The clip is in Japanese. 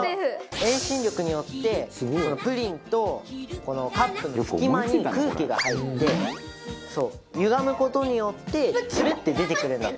遠心力によってプリンとこのカップの隙間に空気が入ってゆがむ事によってツルッて出てくるんだって。